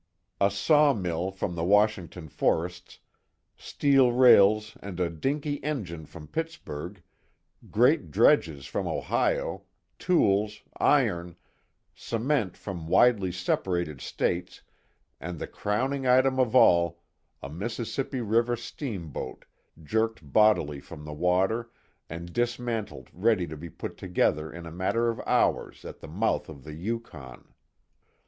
A sawmill from the Washington forests, steel rails and a dinky engine from Pittsburg, great dredges from Ohio, tools, iron, cement from widely separated States and the crowning item of all, a Mississippi River steamboat jerked bodily from the water and dismantled ready to be put together in a matter of hours at the mouth of the Yukon.